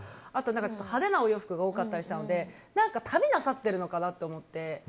あと、派手なお洋服が多かったりしたので旅をなさっているのかなと思って。